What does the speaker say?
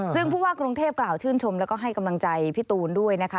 ซึ่งผู้ว่ากรุงเทพกล่าวชื่นชมแล้วก็ให้กำลังใจพี่ตูนด้วยนะคะ